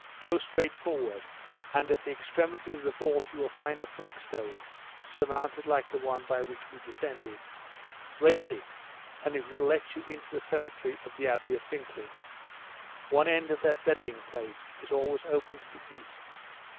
Go straight forward, and at the extremity of the vault you will find a flag stone, surmounted like the one by which we descended; raise it, and it will let you into the cemetery of the Abbey of Fincklay. One end of that burying place is always open to the east.